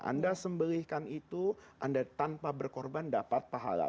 anda sembelihkan itu anda tanpa berkorban dapat pahala